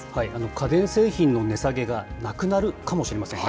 家電製品の値下げがなくなるかもしれません。